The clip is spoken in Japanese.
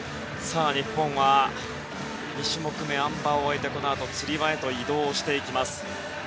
日本は２種目め、あん馬を終えてこのあとつり輪へと移動していきます。